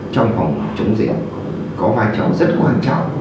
trong phòng chống diễn có vai trò rất quan trọng